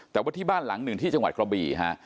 แต่ว่าที่บ้านหลังหนึ่งที่จังหวัดกระบี่ฮะ